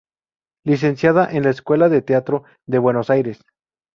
Licenciada en la Escuela de Teatro de Buenos Aires.